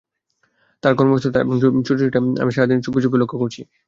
তার কর্মব্যস্ত তা এবং ছোটাছুটি আমি সারাদিন চুপে চুপে লক্ষ্য করেছি।